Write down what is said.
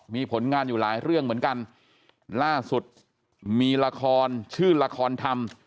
มีผลงานอยู่หลายเรื่องเหมือนกันล่าสุดมีละครชื่อละครธรรม